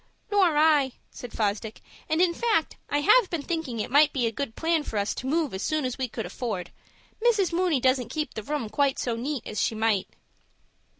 "Nor I," said Fosdick, "and in fact I have been thinking it might be a good plan for us to move as soon as we could afford. Mrs. Mooney doesn't keep the room quite so neat as she might."